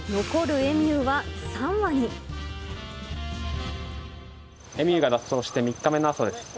エミューが脱走して３日目の朝です。